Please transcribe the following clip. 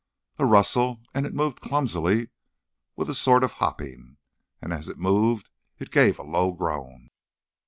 A rustle, and it moved clumsily, with a sort of hopping. And as it moved it gave a low groan.